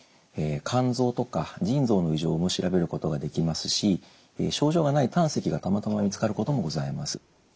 肝臓とか腎臓の異常も調べることができますし症状がない胆石がたまたま見つかることもございます。